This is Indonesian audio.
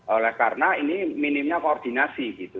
oleh karena ini minimnya koordinasi gitu